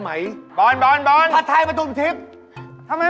เฮ่ยเฮ่ยเฮ่ยเฮ่ยเฮ่ยเฮ่ย